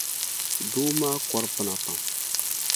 Doo maa kɔri pina pam.